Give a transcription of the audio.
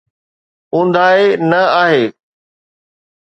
اونداهي نه آهي.